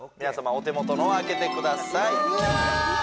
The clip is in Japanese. お手元のを開けてくださいうわ